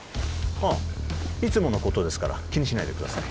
ああいつものことですから気にしないでください